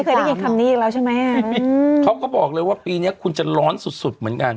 เคยได้ยินคำนี้อีกแล้วใช่ไหมเขาก็บอกเลยว่าปีเนี้ยคุณจะร้อนสุดสุดเหมือนกัน